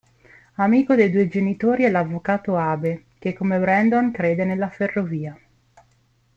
Amico dei due genitori è l'avvocato Abe, che come Brandon crede nella ferrovia.